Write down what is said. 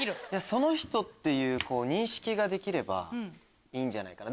その人っていう認識ができればいいんじゃないかな。